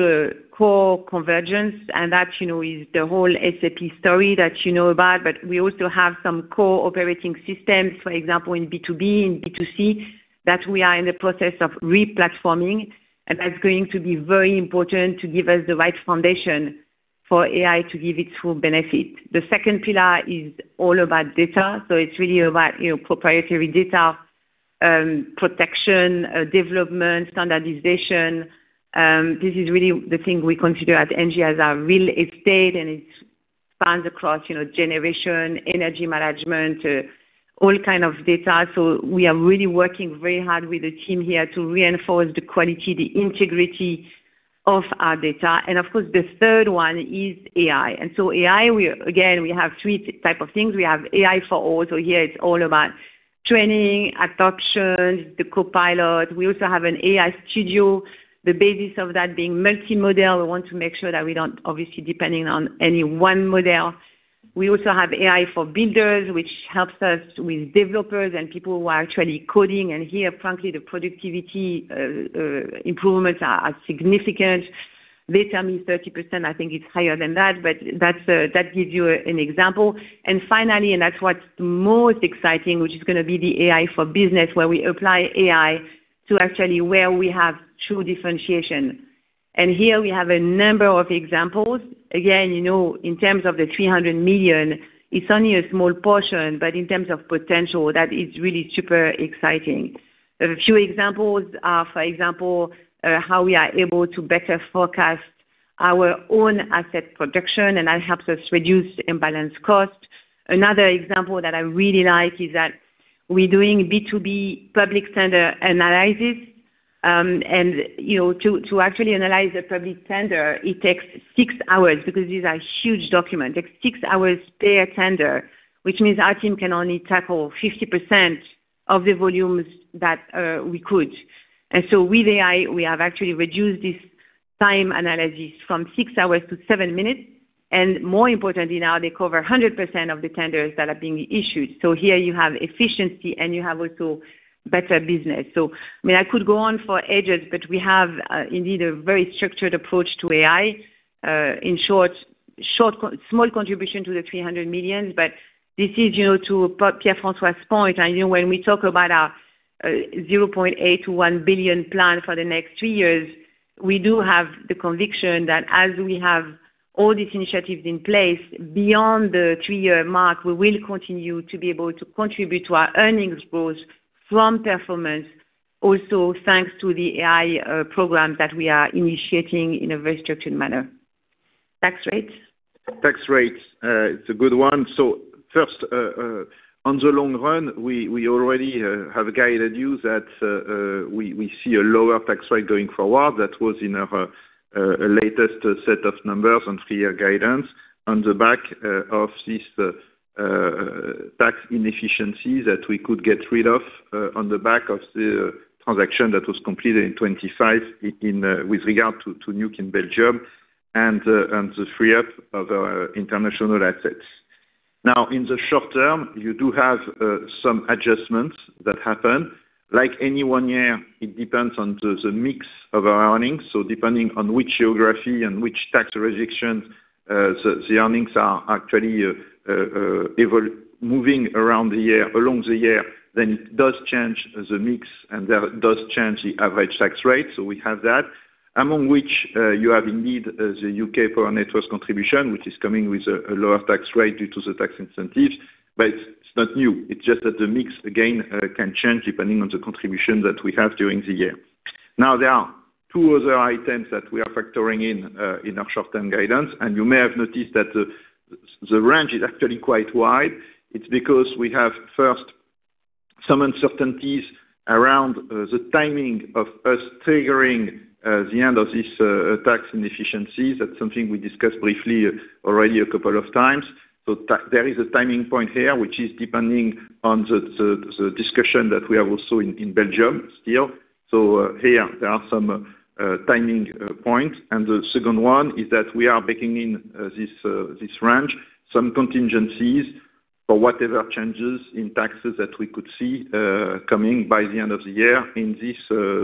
core convergence, that is the whole SAP story that you know about. We also have some core operating systems, for example, in B2B and B2C, that we are in the process of re-platforming, and that's going to be very important to give us the right foundation for AI to give its full benefit. The second pillar is all about data. It's really about proprietary data protection, development, standardization. This is really the thing we consider at ENGIE as our real estate, and it spans across generation, energy management, all kind of data. We are really working very hard with the team here to reinforce the quality, the integrity of our data. Of course, the third one is AI. AI, again, we have three type of things. We have AI for all. Here it's all about training, adoption, the copilot. We also have an AI studio, the basis of that being multimodal. We want to make sure that we don't, obviously, depending on any one model. We also have AI for builders, which helps us with developers and people who are actually coding. Here, frankly, the productivity improvements are significant. They tell me 30%. I think it's higher than that. That gives you an example. Finally, that's what's most exciting, which is going to be the AI for business, where we apply AI to actually where we have true differentiation. Here we have a number of examples. Again, in terms of the 300 million, it's only a small portion. In terms of potential, that is really super exciting. A few examples are, for example, how we are able to better forecast our own asset production. That helps us reduce imbalance cost. Another example that I really like is that we're doing B2B public tender analysis. To actually analyze the public tender, it takes six hours because these are huge documents. It takes six hours per tender, which means our team can only tackle 50% of the volumes that we could. With AI, we have actually reduced this time analysis from six hours to seven minutes. More importantly, now they cover 100% of the tenders that are being issued. Here you have efficiency and you have also better business. I could go on for ages. We have indeed a very structured approach to AI. In short, small contribution to the 300 million. This is to Pierre-François's point, when we talk about our 0.8 billion-1 billion plan for the next three years, we do have the conviction that as we have all these initiatives in place beyond the three-year mark, we will continue to be able to contribute to our earnings growth from performance also thanks to the AI program that we are initiating in a very structured manner. Tax rates? Tax rates. It's a good one. First, on the long run, we already have guided you that we see a lower tax rate going forward. That was in our latest set of numbers on three-year guidance on the back of this tax inefficiency that we could get rid of on the back of the transaction that was completed in 2025 with regard to Nuclear in Belgium and the free up of our international assets. In the short term, you do have some adjustments that happen. Like any one year, it depends on the mix of our earnings. Depending on which geography and which tax jurisdiction the earnings are actually moving around the year, along the year, then it does change the mix. That does change the average tax rate. We have that. Among which you have indeed the UK Power Networks contribution, which is coming with a lower tax rate due to the tax incentives. It's not new. It's just that the mix, again, can change depending on the contribution that we have during the year. Now, there are two other items that we are factoring in our short term guidance. You may have noticed that the range is actually quite wide. It's because we have, first, some uncertainties around the timing of us triggering the end of this tax inefficiency. That's something we discussed briefly already a couple of times. There is a timing point here, which is depending on the discussion that we have also in Belgium still. Here there are some timing points. The second one is that we are baking in this range, some contingencies for whatever changes in taxes that we could see coming by the end of the year in these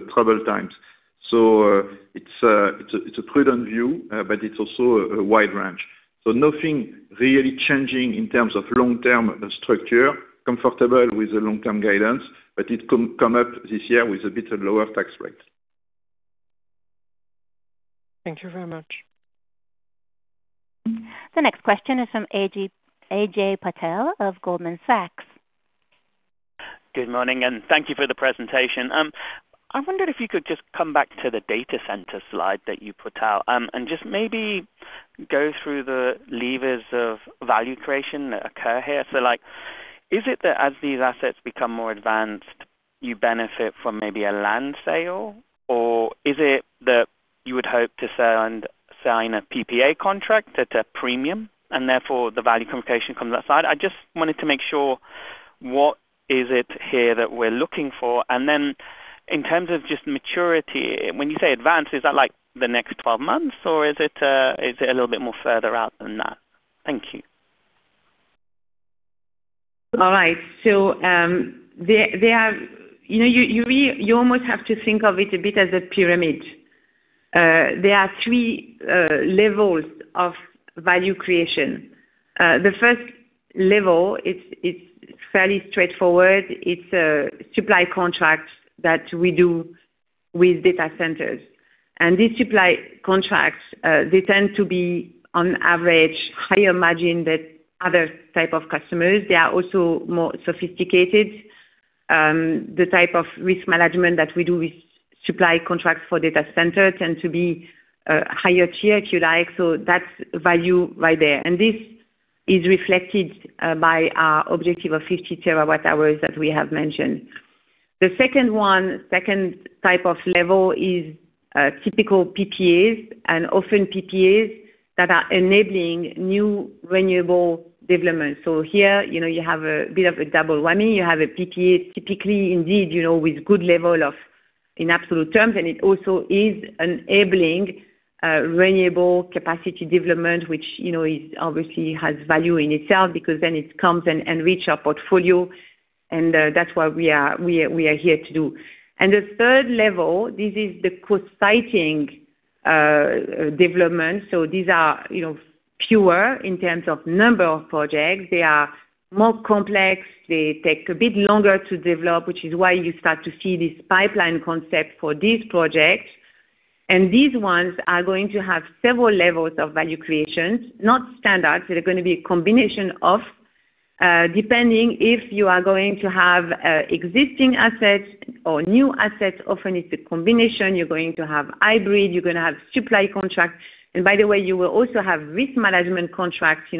troubled times. It's a prudent view, but it's also a wide range. Nothing really changing in terms of long-term structure, comfortable with the long-term guidance, but it come up this year with a bit lower tax rate. Thank you very much. The next question is from Ajay Patel of Goldman Sachs. Good morning, thank you for the presentation. I wondered if you could just come back to the data center slide that you put out, just maybe go through the levers of value creation that occur here. Is it that as these assets become more advanced, you benefit from maybe a land sale? Is it that you would hope to sell a PPA contract at a premium and therefore the value communication comes outside? I just wanted to make sure what is it here that we're looking for? In terms of just maturity, when you say advanced, is that like the next 12 months or is it a little bit more further out than that? Thank you. All right. You almost have to think of it a bit as a pyramid. There are three levels of value creation. The first level, it's fairly straightforward. It's a supply contract that we do with data centers. These supply contracts, they tend to be on average higher margin than other type of customers. They are also more sophisticated. The type of risk management that we do with supply contracts for data centers tend to be higher tier, if you like. That's value right there. This is reflected by our objective of 50 TWh, as we have mentioned. The second one, second type of level is, typical PPAs and often PPAs that are enabling new renewable developments. Here, you have a bit of a double whammy. You have a PPA typically, indeed, with good level of in absolute terms, it also is enabling renewable capacity development, which obviously has value in itself because then it comes and enrich our portfolio. That's what we are here to do. The third level, this is the co-siting development. These are fewer in terms of number of projects. They are more complex. They take a bit longer to develop, which is why you start to see this pipeline concept for these projects. These ones are going to have several levels of value creation, not standard. They're going to be a combination of, depending if you are going to have existing assets or new assets. Often it's a combination. You're going to have hybrid, you're going to have supply contracts. By the way, you will also have risk management contracts,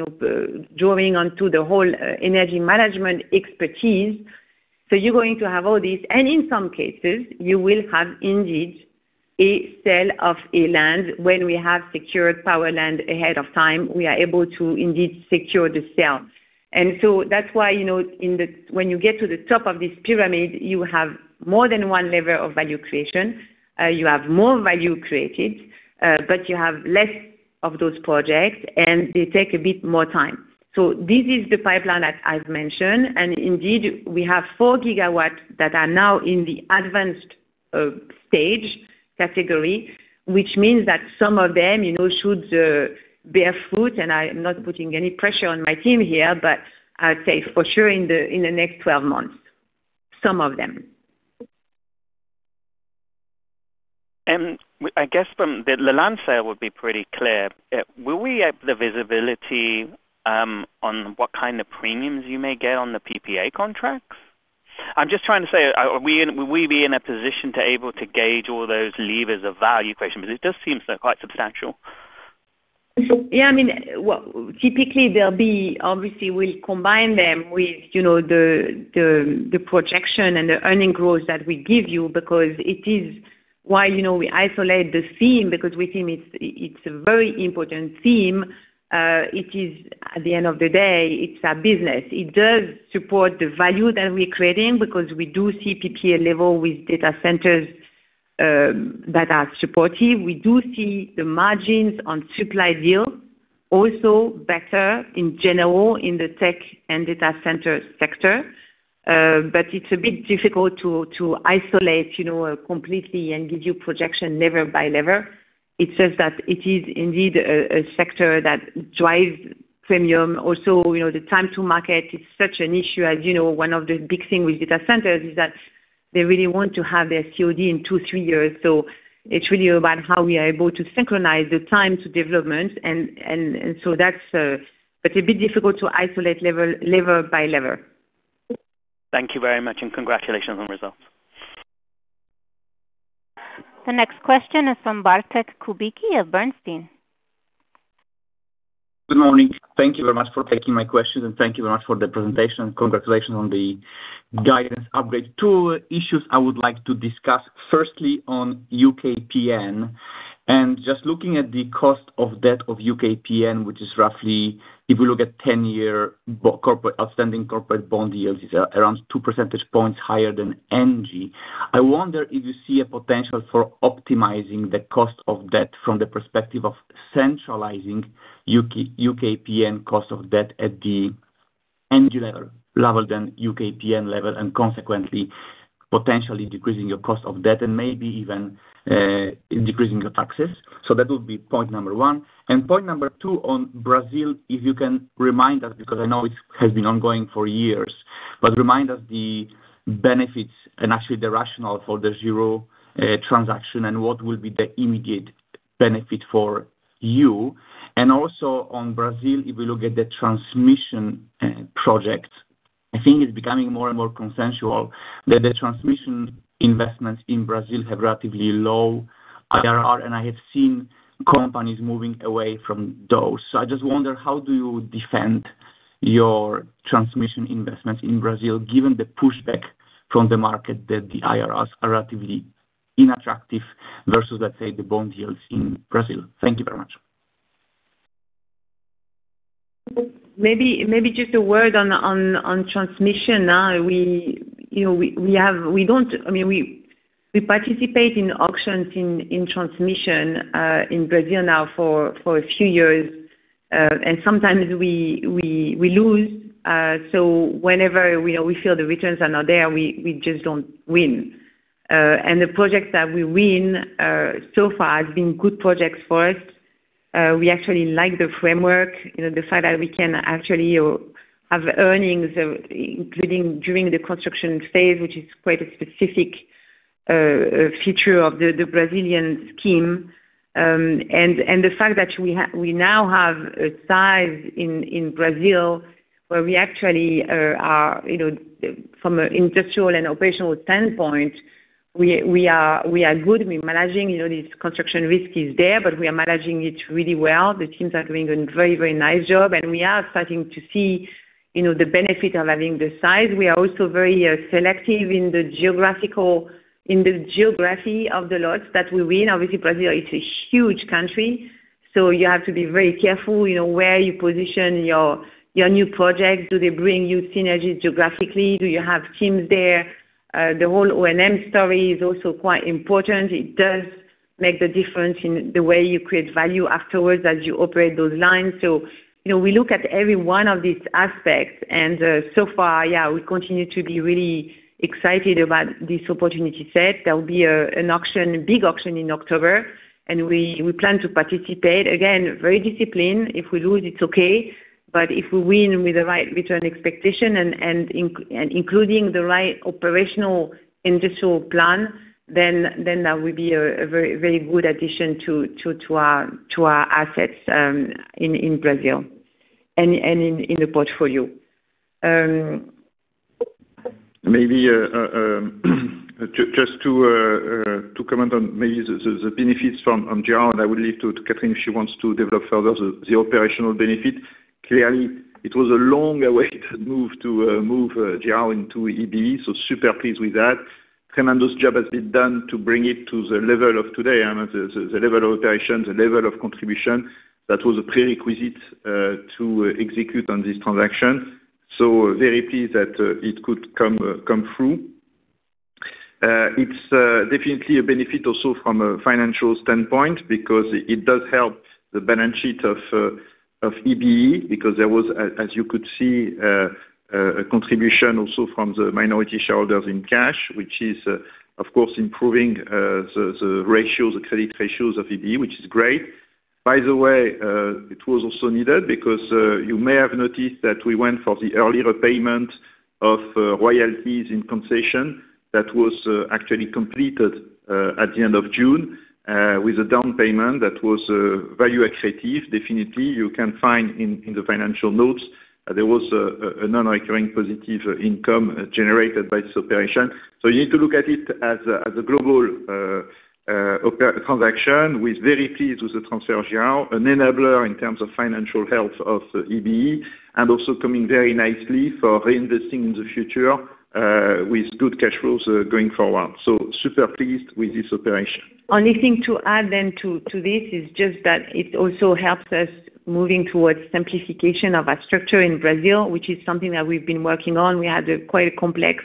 drawing onto the whole energy management expertise. You're going to have all these, in some cases you will have indeed a sale of a land. When we have secured power land ahead of time, we are able to indeed secure the sale. That's why, when you get to the top of this pyramid, you have more than one level of value creation. You have more value created, you have less of those projects, they take a bit more time. This is the pipeline that I've mentioned. Indeed, we have 4 GW that are now in the advanced stage category, which means that some of them should bear fruit, I am not putting any pressure on my team here, but I would say for sure in the next 12 months. Some of them. I guess from the land sale would be pretty clear. Will we have the visibility on what kind of premiums you may get on the PPA contracts? I'm just trying to say, will we be in a position to able to gauge all those levers of value creation? It does seem so quite substantial. Yeah. Well, typically, obviously, we'll combine them with the projection and the earning growth that we give you because it is why we isolate the theme, because we think it's a very important theme. At the end of the day, it's a business. It does support the value that we're creating because we do see PPA level with data centers that are supportive. We do see the margins on supply deal also better in general in the tech and data center sector. It's a bit difficult to isolate completely and give you projection lever by lever. It's just that it is indeed a sector that drives premium. Also, the time to market is such an issue. As you know, one of the big thing with data centers is that they really want to have their COD in two, three years. It's really about how we are able to synchronize the time to development. That's a bit difficult to isolate lever by lever. Thank you very much, and congratulations on the results. The next question is from Bartłomiej Kubicki of Bernstein. Good morning. Thank you very much for taking my questions, and thank you very much for the presentation. Congratulations on the guidance upgrade. Two issues I would like to discuss. Firstly, on UKPN, and just looking at the cost of debt of UKPN, which is roughly, if you look at 10-year outstanding corporate bond yields, is around 2 percentage points higher than ENGIE. I wonder if you see a potential for optimizing the cost of debt from the perspective of centralizing UKPN cost of debt at the ENGIE level rather than UKPN level, and consequently potentially decreasing your cost of debt and maybe even, decreasing your taxes. That would be point number one. Point number two on Brazil, if you can remind us, because I know it has been ongoing for years. Remind us the benefits and actually the rationale for the Jirau transaction and what will be the immediate benefit for you. Also on Brazil, if we look at the transmission project, I think it's becoming more and more consensual that the transmission investments in Brazil have relatively low IRR, and I have seen companies moving away from those. I just wonder, how do you defend your transmission investments in Brazil, given the pushback from the market that the IRRs are relatively unattractive versus, let's say, the bond yields in Brazil? Thank you very much. Maybe just a word on transmission now. We participate in auctions in transmission, in Brazil now for a few years. Sometimes we lose, so whenever we feel the returns are not there, we just don't win. The projects that we win so far have been good projects for us. We actually like the framework, the fact that we can actually have earnings including during the construction phase, which is quite a specific feature of the Brazilian scheme. The fact that we now have a size in Brazil where we actually are, from an industrial and operational standpoint, we are good. We're managing. This construction risk is there, but we are managing it really well. The teams are doing a very nice job, and we are starting to see the benefit of having the size. We are also very selective in the geography of the lots that we win. Obviously, Brazil is a huge country, so you have to be very careful where you position your new projects. Do they bring you synergies geographically? Do you have teams there? The whole O&M story is also quite important. It does make the difference in the way you create value afterwards as you operate those lines. We look at every one of these aspects and, so far, yeah, we continue to be really excited about this opportunity set. There will be a big auction in October, and we plan to participate. Again, very disciplined. If we lose, it's okay. If we win with the right return expectation and including the right operational industrial plan, then that will be a very good addition to our assets in Brazil and in the portfolio. Maybe just to comment on maybe the benefits from Jirau, and I would leave to Catherine if she wants to develop further the operational benefit. Clearly, it was a long way to move Jirau into EBE, so super pleased with that. Tremendous job has been done to bring it to the level of today, the level of operation, the level of contribution. That was a prerequisite to execute on this transaction. Very pleased that it could come through. It's definitely a benefit also from a financial standpoint because it does help the balance sheet of EBE, because there was, as you could see, a contribution also from the minority shareholders in cash, which is, of course, improving the credit ratios of EBE, which is great. By the way, it was also needed because you may have noticed that we went for the early repayment of royalties in concession that was actually completed at the end of June, with a down payment that was very attractive. Definitely, you can find in the financial notes, there was a non-recurring positive income generated by this operation. You need to look at it as a global transaction. We're very pleased with the transfer of Jirau, an enabler in terms of financial health of EBE, and also coming very nicely for reinvesting in the future, with good cash flows going forward. Super pleased with this operation. Only thing to add then to this is just that it also helps us moving towards simplification of our structure in Brazil, which is something that we've been working on. We had quite a complex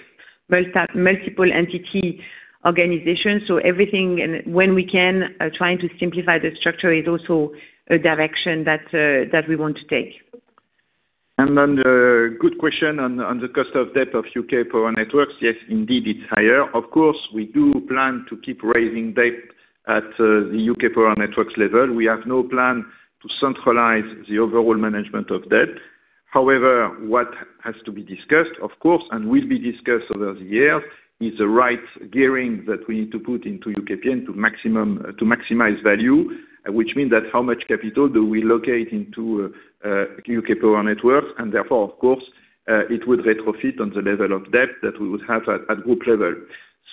multiple entity organization. Everything, and when we can, trying to simplify the structure is also a direction that we want to take. On the good question on the cost of debt of UK Power Networks, yes, indeed, it's higher. Of course, we do plan to keep raising debt at the UK Power Networks level. We have no plan to centralize the overall management of debt. However, what has to be discussed, of course, and will be discussed over the year, is the right gearing that we need to put into UKPN to maximize value, which means that how much capital do we locate into UK Power Networks, and therefore, of course, it would retrofit on the level of debt that we would have at group level.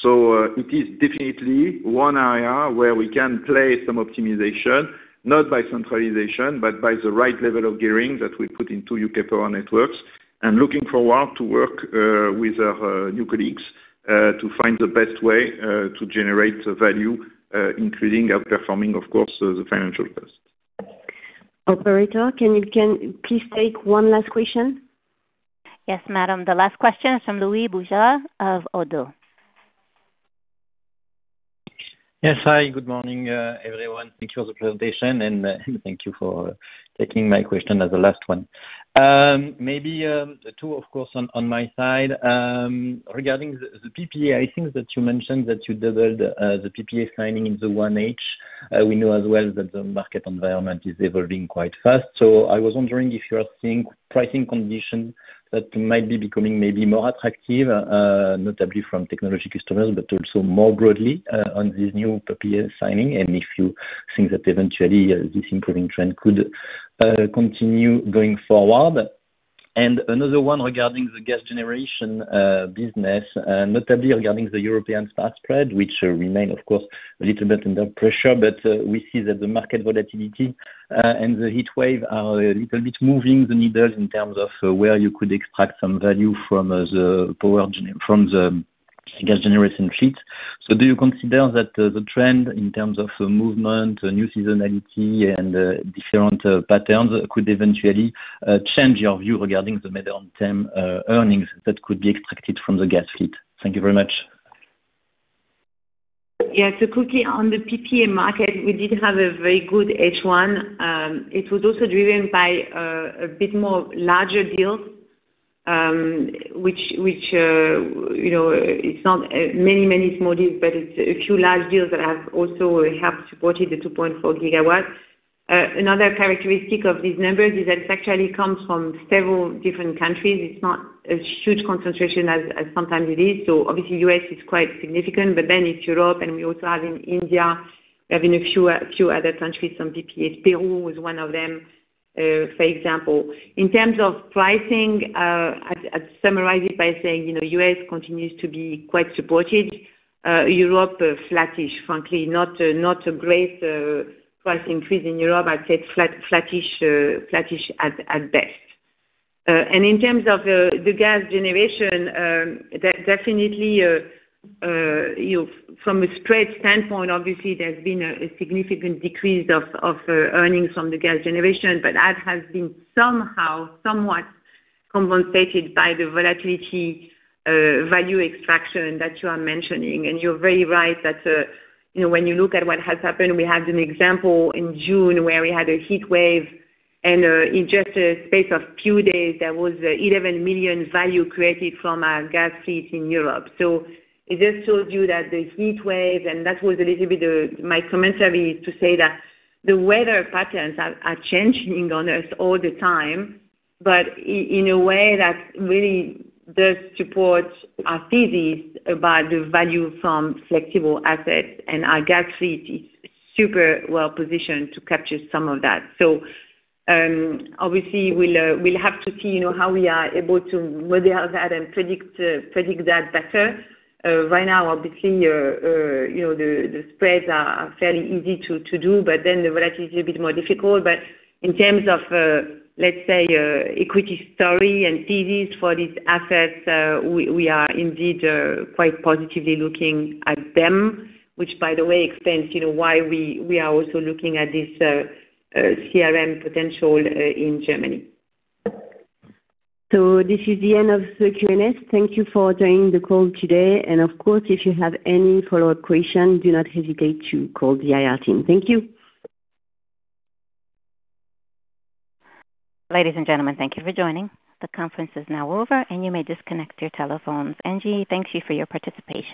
It is definitely one area where we can play some optimization, not by centralization, but by the right level of gearing that we put into UK Power Networks, and looking forward to work with our new colleagues to find the best way to generate value, including outperforming, of course, the financial test. Operator, can you please take one last question? Yes, madam. The last question is from Louis Boujard of ODDO. Yes. Hi, good morning, everyone. Thank you for the presentation, and thank you for taking my question as the last one. Maybe two, of course, on my side. Regarding the PPA, I think that you mentioned that you doubled the PPA signing in the 1H. We know as well that the market environment is evolving quite fast. I was wondering if you are seeing pricing conditions that might be becoming maybe more attractive, notably from technology customers, but also more broadly on this new PPA signing, and if you think that eventually this improving trend could continue going forward. Another one regarding the gas generation business, notably regarding the European spot spread, which remain, of course, a little bit under pressure, but we see that the market volatility and the heat wave are a little bit moving the needles in terms of where you could extract some value from the gas generation fleet. Do you consider that the trend in terms of movement, new seasonality, and different patterns could eventually change your view regarding the medium-term earnings that could be extracted from the gas fleet? Thank you very much. Quickly on the PPA market, we did have a very good H1. It was also driven by a bit more larger deals, which it's not many, many small deals, but it's a few large deals that have also helped supported the 2.4 GW. Another characteristic of these numbers is that it actually comes from several different countries. It's not a huge concentration as sometimes it is. Obviously, U.S. is quite significant, but then it's Europe and we also have in India, we have in a few other countries, some PPAs. Peru was one of them, for example. In terms of pricing, I'd summarize it by saying U.S. continues to be quite supported. Europe, flattish, frankly, not a great price increase in Europe. I'd say flattish at best. In terms of the gas generation, definitely, from a spread standpoint, obviously, there's been a significant decrease of earnings from the gas generation, but that has been somehow somewhat compensated by the volatility value extraction that you are mentioning. You're very right that when you look at what has happened, we had an example in June where we had a heat wave, and in just a space of few days, there was 11 million value created from our gas fleet in Europe. It just shows you that the heat wave, and that was a little bit my commentary to say that the weather patterns are changing on Earth all the time, but in a way that really does support our thesis about the value from flexible assets. Our gas fleet is super well-positioned to capture some of that. Obviously, we'll have to see how we are able to weather that and predict that better. Right now, obviously, the spreads are fairly easy to do, the volatility is a bit more difficult. In terms of, let's say, equity story and thesis for these assets, we are indeed quite positively looking at them, which, by the way, explains why we are also looking at this CRM potential in Germany. This is the end of the Q&A. Thank you for joining the call today. Of course, if you have any follow-up questions, do not hesitate to call the IR team. Thank you. Ladies and gentlemen, thank you for joining. The conference is now over, and you may disconnect your telephones. ENGIE thanks you for your participation.